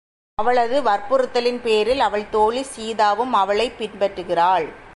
அவளது வற்புறுத்தலின் பேரில், அவள் தோழி சீதாவும் அவளைப் பின்பற்றுகிறாள்.